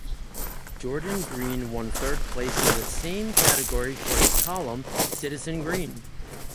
Jordan Green won third place in the same category for his column Citizen Green.